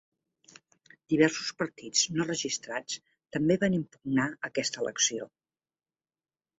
Diversos partits no registrats també van impugnar aquesta elecció.